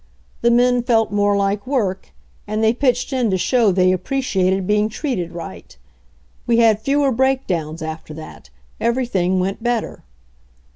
The men felt more like work, and they pitched in to show they appreciated being treated right. We had fewer breakdowns after that; everything 1 went better.